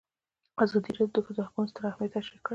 ازادي راډیو د د ښځو حقونه ستر اهميت تشریح کړی.